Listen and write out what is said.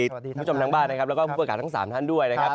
คุณผู้ชมทางบ้านนะครับแล้วก็ผู้ประกาศทั้ง๓ท่านด้วยนะครับ